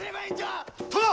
殿！